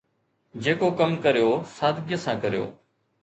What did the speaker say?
جيڪو ڪم ڪريو، سادگيءَ سان ڪريو